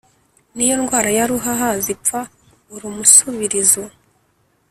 n' iyo ndwara ya ruhaha zipfa urnusubirizo